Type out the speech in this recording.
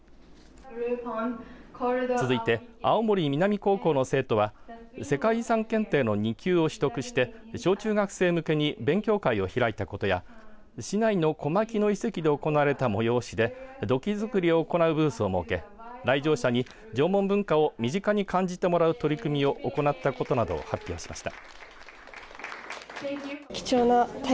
続いて青森南高校の生徒は世界遺産検定の２級を取得して小中学生向けに勉強会を開いたことや市内の小牧野遺跡で行われた催しで土器づくりを行うブースを設け来場者に縄文文化を身近に感じてもらう取り組みを行ったことなどを発表しました。